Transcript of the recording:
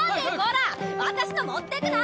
私の持ってくな！